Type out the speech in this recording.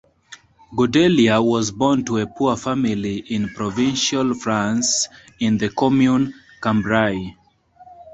Godelier was born to a poor family in provincial France in the commune Cambrai.